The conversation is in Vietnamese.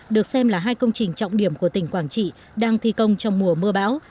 được xem là hai công trình trọng điểm của tỉnh quảng trị đang thi công trong mùa mưa bão